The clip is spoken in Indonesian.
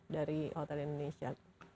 dari hotel indonesia